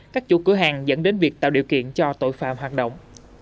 các chủ cửa hàng dẫn đến việc tạo điều kiện cho tội phạm hoạt động